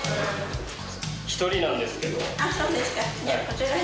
１人なんですけど。